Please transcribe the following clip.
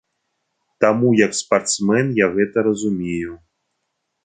Таму як спартсмен я гэта разумею.